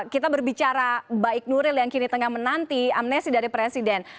kita berbicara baik nuril yang kini tengah menanti amnesti dari presiden